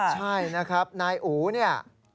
ใช่นะครับนายอู๋เนี่ย